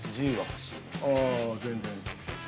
ああ全然。